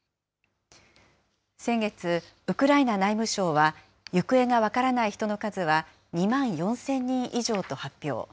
先月、ウクライナ内務省は、行方が分からない人の数は２万４０００人以上と発表。